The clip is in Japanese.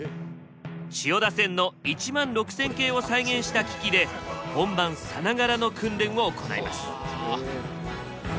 千代田線の１６０００系を再現した機器で本番さながらの訓練を行えます。